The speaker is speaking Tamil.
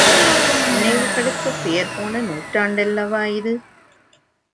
புனைவுகளுக்குப் பெயர்போன நூற்றாண்டல்லவா இது!